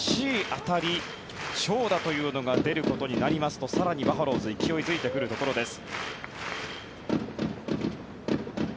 当たり長打というのが出ることになりますと更にバファローズ勢い付いてくるところです。